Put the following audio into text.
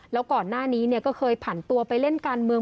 แล้วก่อนหน้านี้ก็เคยผ่านตัวไปเล่นการเมือง